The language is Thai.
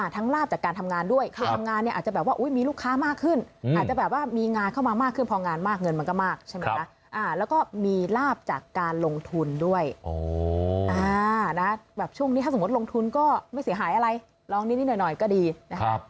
ถ้าสมมติลงทุนก็ไม่เสียหายอะไรร้องนิดหน่อยหน่อยก็ดีนะครับ